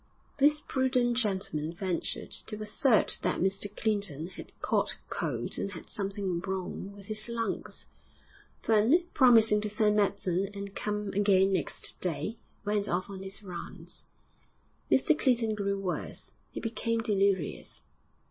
This prudent gentleman ventured to assert that Mr Clinton had caught cold and had something wrong with his lungs. Then, promising to send medicine and come again next day, went off on his rounds. Mr Clinton grew worse; he became delirious.